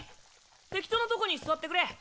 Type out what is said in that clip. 適当なとこに座ってくれ。